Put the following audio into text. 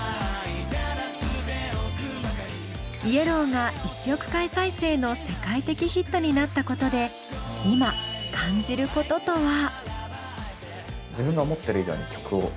「ＹＥＬＬＯＷ」が１億回再生の世界的ヒットになったことで今感じることとは。